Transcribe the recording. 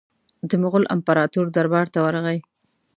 د مغول امپراطور دربار ته ورغی.